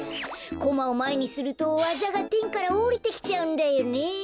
コマをまえにするとわざがてんからおりてきちゃうんだよね。